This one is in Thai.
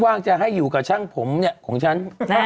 ว่างจะให้อยู่กับช่างผมเนี่ยของฉัน